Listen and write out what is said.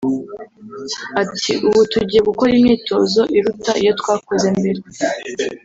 Ati ”Ubu tugiye gukora imyitozo iruta iyo twakoze mbere